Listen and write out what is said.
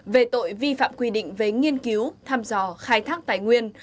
về tội vi phạm quy định về nghiên cứu tham dò khai thác tài nguyên